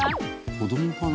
子どもかな？